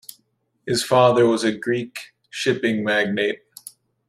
His father was a Greek shipping magnate.